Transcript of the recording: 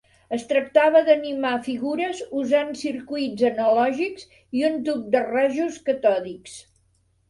Es tractava d'animar figures usant circuits analògics i un tub de rajos catòdics.